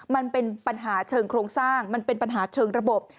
มันเป็นปัญหาเชิงโครงสร้างมันเป็นปัญหาเชิงระบบ